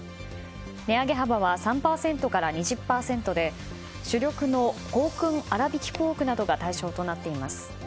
値上げ幅は３％から２０％で主力の香薫あらびきポークなどが対象となっています。